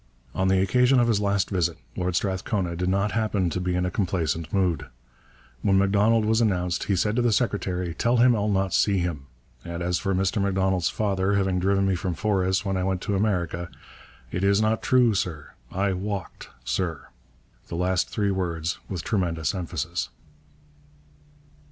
On the occasion of his last visit Lord Strathcona did not happen to be in a complaisant mood. When M'Donald was announced he said to the secretary: 'Tell him I'll not see him. And as for Mr M'Donald's father having driven me from Forres when I went to America, it is not true, sir! I walked, sir!' the last three words with tremendous emphasis.